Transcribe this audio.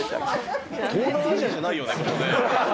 東南アジアじゃないよね、ここね。